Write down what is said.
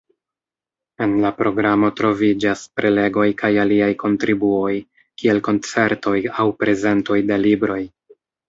En la programo troviĝas prelegoj kaj aliaj kontribuoj, kiel koncertoj aŭ prezentoj de libroj.